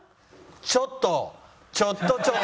ちょっとちょっとちょっと！